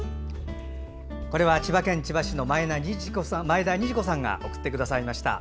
千葉県千葉市の前田虹子さんが送ってくださいました。